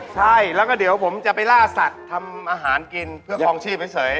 ใช่แล้วก็เดี๋ยวผมจะไปล่าสัตว์ทำอาหารกินเพื่อครองชีพเฉย